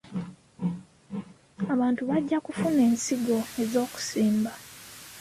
Abantu bajja kufuna ensigo ez'okusimba.